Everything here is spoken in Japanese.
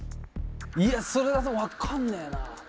いやそれだと分かんねえな。